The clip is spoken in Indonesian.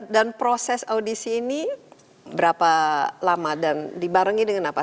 dan proses audisi ini berapa lama dan dibarengi dengan apa